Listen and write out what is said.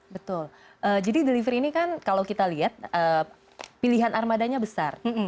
betul jadi deliver ini kan kalau kita lihat pilihan armadanya besar